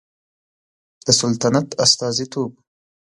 د سلطنت استازیتوب